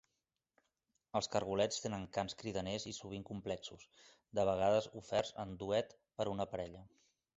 Els cargolets tenen cants cridaners i sovint complexos, de vegades oferts en duet per una parella.